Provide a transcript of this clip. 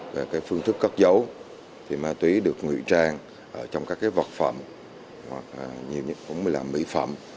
về phương thức cất dấu ma túy được ngụy trang trong các vật phẩm hoặc mỹ phẩm